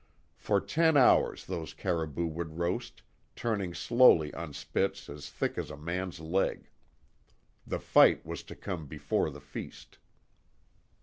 For ten hours those caribou would roast, turning slowly on spits as thick as a man's leg. The fight was to come before the feast.